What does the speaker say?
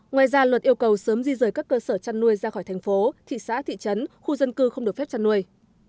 ngoài ra luật yêu cầu sớm di rời các cơ sở chăn nuôi ra khỏi thành phố thị xã thị trấn khu dân cư không được phép chăn nuôi